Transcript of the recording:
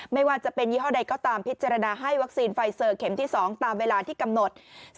ไม่ว่าจะเป็นยี่ห้อใดก็ตามพิจารณาให้วัคซีนไฟเซอร์เข็มที่๒ตามเวลาที่กำหนด